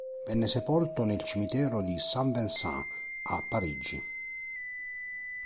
Venne sepolto nel Cimitero di Saint-Vincent, a Parigi.